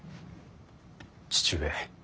父上。